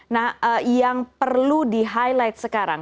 nah yang perlu di highlight sekarang